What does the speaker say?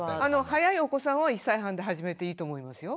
早いお子さんは１歳半で始めていいと思いますよ。